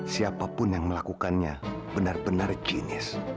siapapun yang melakukannya benar benar kimis